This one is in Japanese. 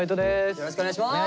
よろしくお願いします。